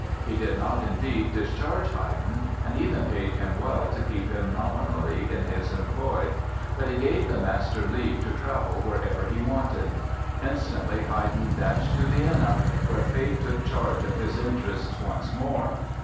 He did not, indeed, discharge Haydn and even paid him well to keep him nominally in his employ. But he gave the master leave to travel wherever he wanted. Instantly Haydn dashed to Vienna, where fate took charge of his interests once more.